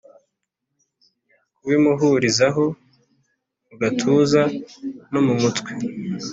kubimuhurizaho mugatuza no mumutwe